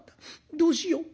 どうしよう？